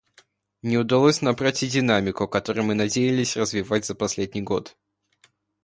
Не удалось набрать и динамику, которую мы надеялись развить за последний год.